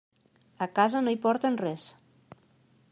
A casa no hi porten res.